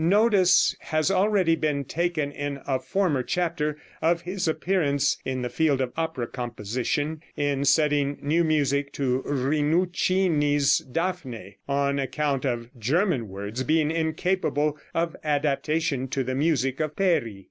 Notice has already been taken in a former chapter of his appearance in the field of opera composition, in setting new music to Rinuccini's "Dafne," on account of the German words being incapable of adaptation to the music of Peri.